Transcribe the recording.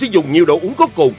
dùng nhiều đồ uống có cồn